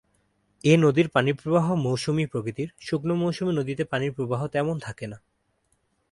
এ নদীর পানিপ্রবাহ মৌসুমি প্রকৃতির, শুকনো মৌসুমে নদীতে পানির প্রবাহ তেমন থাকে না।